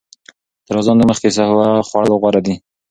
تر اذان لږ مخکې سحور خوړل غوره دي.